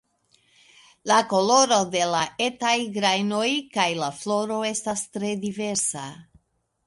La koloro de la etaj grajnoj kaj la floro estas tre diversa.